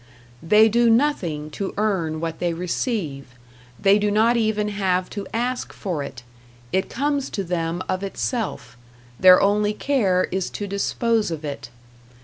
They do nothing to earn what they receive, they do not even have to ask for it it comes to them of itself, their only care is to dispose of it.